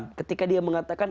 nah makanya dia mengatakan